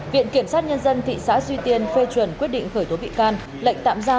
viện kiểm sát nhân dân thị xã duy tiên phê chuẩn quyết định khởi tố bắt tạm giả